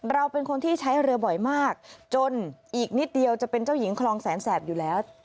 เราเป็นคนที่ใช้เรือบ่อยมากจนอีกนิดเดียวจะเป็นเจ้าหญิงคลองแสนแสบอยู่แล้ว